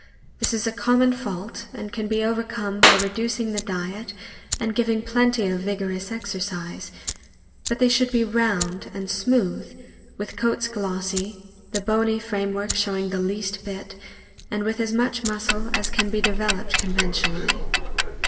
This is a common fault, and can be overcome by reducing the diet and giving plenty of vigorous exercise; but they should be round and smooth, with coats glossy, the bony frame work showing the least bit, and with as much muscle as can be developed conven iently.